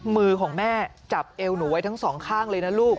มือของแม่จับเอวหนูไว้ทั้งสองข้างเลยนะลูก